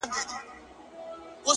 باروتي زلفو دې دومره راگير کړی”